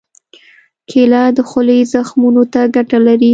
کېله د خولې زخمونو ته ګټه لري.